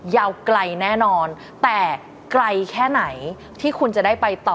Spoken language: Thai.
ยาวไกลแน่นอนแต่ไกลแค่ไหนที่คุณจะได้ไปต่อ